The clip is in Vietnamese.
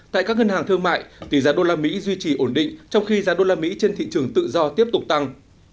tại các ngân hàng thương mại tỷ giá đô la mỹ duy trì ổn định trong khi giá đô la mỹ trên thị trường tự do tiếp tục tăng